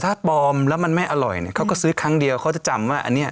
ถ้าปลอมแล้วมันไม่อร่อยเนี่ยเขาก็ซื้อครั้งเดียวเขาจะจำว่าอันนี้